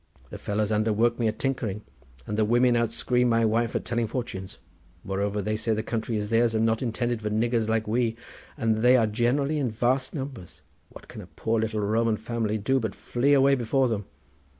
The fellows underwork me at tinkering, and the women outscream my wife at telling fortunes—moreover, they say the country is theirs and not intended for niggers like we, and as they are generally in vast numbers what can a poor little Roman family do but flee away before them?